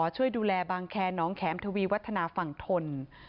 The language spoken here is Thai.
ช่วยดูแลบางแคร์น้องแขมทวีวัฒนาฝั่งทน